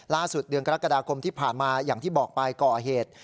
เดือนกรกฎาคมที่ผ่านมาอย่างที่บอกไปก่อเหตุ